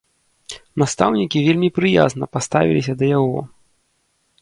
Настаўнікі вельмі прыязна паставіліся да яго.